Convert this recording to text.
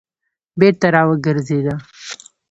بېرته راوګرځېده.